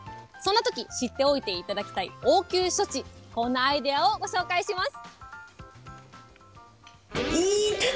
そんなとき、知っておいていただきたい応急処置、こんなアイデアをご紹介します。